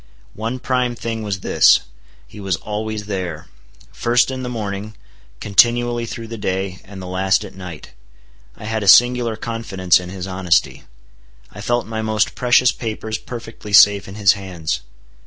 One prime thing was this,—he was always there;—first in the morning, continually through the day, and the last at night. I had a singular confidence in his honesty. I felt my most precious papers perfectly safe in his hands.